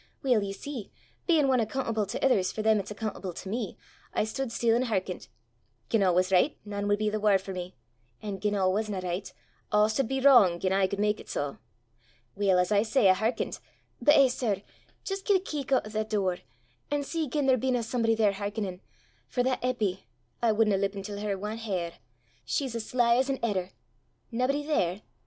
Weel, ye see, bein' ane accoontable tae ithers for them 'at's accoontable to me, I stude still an' hearkent: gien a' was richt, nane wad be the waur for me; an' gien a' wasna richt, a' sud be wrang gien I could mak it sae! Weel, as I say, I hearkent but eh, sir! jist gie a keek oot at that door, an' see gien there bena somebody there hearkenin', for that Eppy I wudna lippen til her ae hair! she's as sly as an edder! Naebody there?